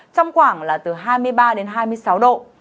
trong khoảng là từ hai mươi ba đến hai mươi sáu độ